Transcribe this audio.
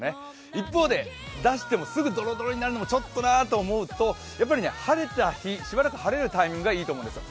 一方で、出してもすぐドロドロになるのもちょっとなって思うとやっぱり晴れた日、しばらく晴れるタイミングがいいと思うんですよ。